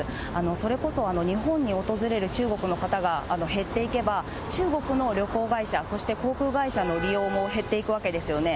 それこそ日本に訪れる中国の方が減っていけば、中国の旅行会社、そして航空会社の利用も減っていくわけですよね。